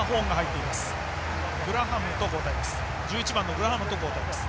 グラハムと交代です。